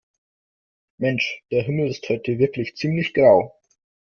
Mensch, der Himmel ist heute wirklich ziemlich grau.